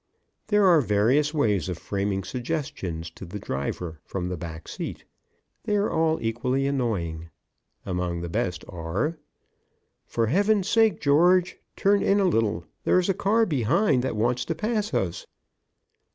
There are various ways of framing suggestions to the driver from the back seat. They are all equally annoying. Among the best are: "For heaven's sake, George, turn in a little. There is a car behind that wants to pass us."